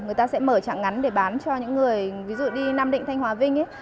người ta sẽ mở chặng ngắn để bán cho những người ví dụ đi nam định thanh hóa vinh